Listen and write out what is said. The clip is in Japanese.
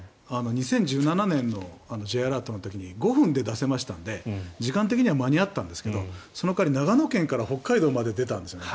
２０１７年のＪアラートの時に５分で出せましたので時間的には間に合ったんですけどその代わり長野県から北海道まで出たんですね。